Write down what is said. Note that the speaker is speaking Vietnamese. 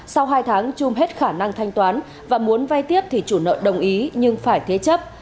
sau hai tháng chung hết khả năng thanh toán và muốn vay tiếp thì chủ nợ đồng ý nhưng phải thế chấp